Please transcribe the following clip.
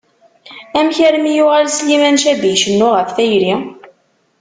Amek armi yuɣal Sliman Cabbi icennu ɣef tayri?